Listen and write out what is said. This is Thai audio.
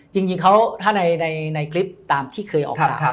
จริงเขาถ้าในคลิปตามที่เคยออกมา